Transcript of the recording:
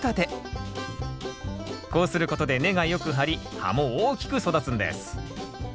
こうすることで根がよく張り葉も大きく育つんです。